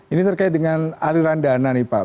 ini terkait dengan aliran dana nih pak